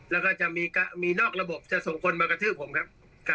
แล้วก็จะมีนอกระบบจะส่งคนมากระทืบผมครับ